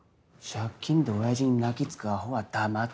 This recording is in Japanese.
借金で親父に泣き付くアホは黙ってろ。